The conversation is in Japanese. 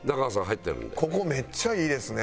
ここめっちゃいいですね。